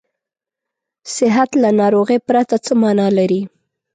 صحت له ناروغۍ پرته څه معنا لري.